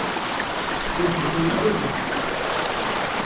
Ilemẓi-a d aɛejgur.